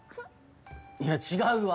いや違うわ。